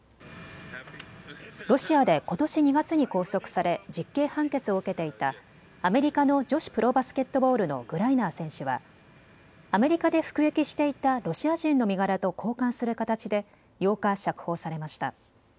ロシアでことし２月に拘束され実刑判決を受けていたアメリカの女子プロバスケットボールのグライナー選手はアメリカで服役していたロシア人の身柄と交換する形で８日、釈放されました。